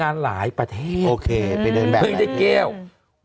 เขาไม่ใช่เกลียว